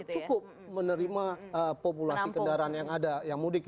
cukup menerima populasi kendaraan yang mudik